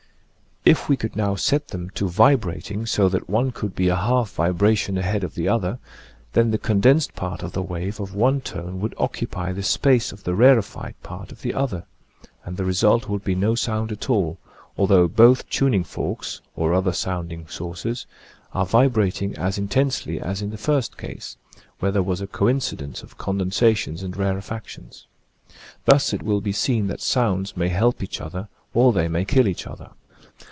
If we could now set them to vibrating, so that one could be a half vibra tion ahead of the other, then the condensed part of the wave of one tone would occupy the space of the rarefied part of the other, and the result would be no sound at all, al though both tuning forks, or other sounding sources, are vibrating as intensely as in the first case, where there was a coincidence of condensations and rarefactions. Thus it will be seen that sounds may help each other or they may kill each other.